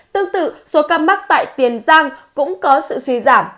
tương tự số ca mắc tại tiền giang cũng có sự suy giảm